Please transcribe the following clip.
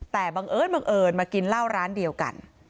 แต่บังเอิญมากินเล่าร้านเดียวกัน